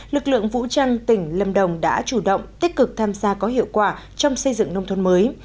lực lượng vũ trang tỉnh lâm đồng đã chủ động tích cực tham gia có hiệu quả trong xây dựng nông thôn mới